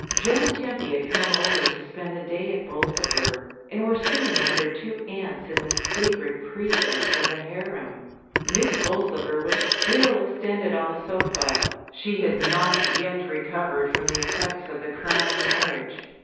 Jo and Tempy had come over to spend the day at Bolsover, and were sitting with their two aunts in the sacred precincts of the harem. Miss Bolsover was still extended on the sofa, she had LONDON CIXY. 1 49 not yet recovered from the effects of the Colonel's marriage.